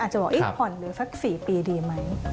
อาจจะบอกผ่อนเดือนสัก๔ปีดีไหม